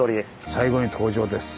最後に登場です。